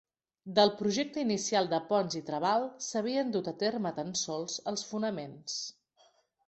Del projecte inicial de Pons i Trabal s'havien dut a terme tan sols els fonaments.